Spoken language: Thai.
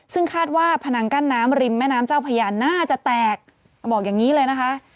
ซึ่งคาดว่าพนังกั้นน้ำริมแม่น้ำเจ้าพญาน่าจะแตกบอกอย่างนี้เลยนะคะ